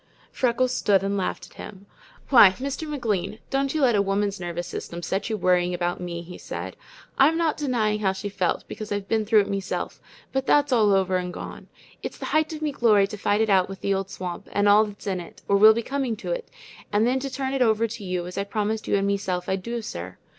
Freckles stood and laughed at him. "Why, Mr. McLean, don't you let a woman's nervous system set you worrying about me," he said. "I'm not denying how she felt, because I've been through it meself, but that's all over and gone. It's the height of me glory to fight it out with the old swamp, and all that's in it, or will be coming to it, and then to turn it over to you as I promised you and meself I'd do, sir.